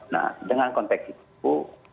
nah dengan konteks itu